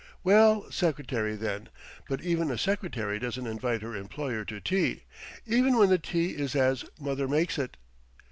"Well, secretary, then; but even a secretary doesn't invite her employer to tea, even when the tea is as mother makes it.